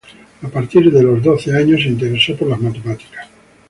A partir de los doce años se interesó por las matemáticas.